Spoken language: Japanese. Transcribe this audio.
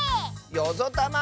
よぞたま！